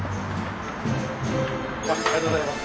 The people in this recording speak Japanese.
ありがとうございます。